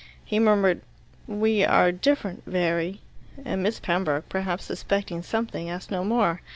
He murmured, "We are different, very," and Miss Pembroke, perhaps suspecting something, asked no more.